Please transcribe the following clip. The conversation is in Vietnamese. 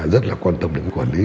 rất là quan tâm đến quản lý